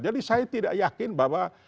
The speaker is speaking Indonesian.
jadi saya tidak yakin bahwa